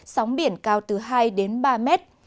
sóng biển cao từ hai ba mét